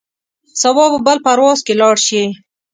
سبا به بل پرواز کې لاړ شې.